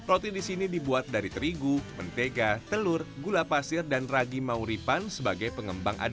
itu kemudian setelah saya memiliki keluarga